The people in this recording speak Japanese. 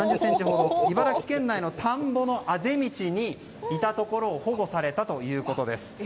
茨城県内の田んぼのあぜ道にいたところを保護されたということです。